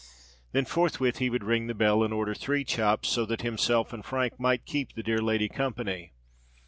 Then forthwith he would ring the bell, and order three chops, so that himself and Frank might keep the dear lady company.